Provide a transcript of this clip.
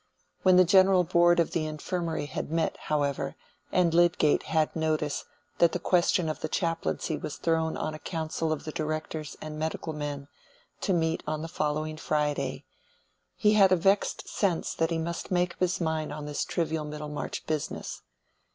When the General Board of the Infirmary had met, however, and Lydgate had notice that the question of the chaplaincy was thrown on a council of the directors and medical men, to meet on the following Friday, he had a vexed sense that he must make up his mind on this trivial Middlemarch business.